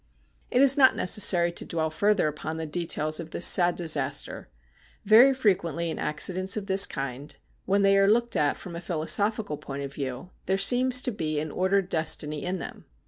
It is not necessary to dwell further upon the details of this sad disaster. Very frequently in accidents of this kind, when they are looked at from a philosophical point of view, there seems to be an ordered destiny in them.